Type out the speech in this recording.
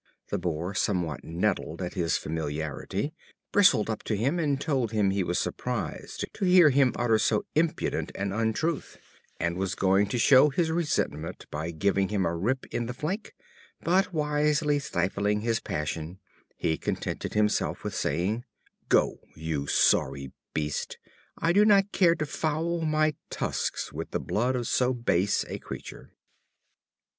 The Boar, somewhat nettled at his familiarity, bristled up to him, and told him he was surprised to hear him utter so impudent an untruth, and was just going to show his resentment by giving him a rip in the flank; but wisely stifling his passion, he contented himself with saying: "Go, you sorry beast! I do not care to foul my tusks with the blood of so base a creature."